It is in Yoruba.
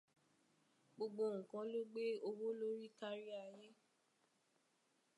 Gbogbo nǹkan lógbé owó lórí káríayé.